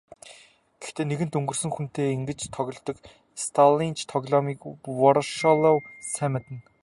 Гэхдээ нэгэнт өнгөрсөн хүнтэй ингэж тоглодог сталинч тоглоомыг Ворошилов сайн мэднэ.